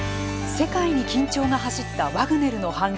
世界に緊張が走ったワグネルの反乱。